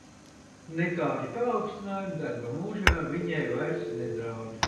Nekādi paaugstinājumi darba mūžā viņai vairs nedraud.